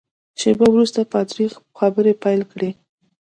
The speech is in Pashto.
شېبه وروسته پادري خبرې پیل کړې.